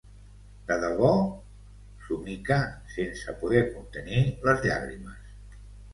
De debò? —somica, sense poder contenir les llàgrimes.